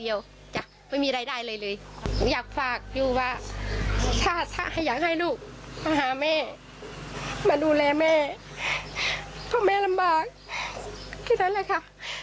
อยากฝากยูว่าชาติอยากให้ลูกมาหาแม่มาดูแลแม่เพราะแม่ลำบากแค่นั้นแหละค่ะ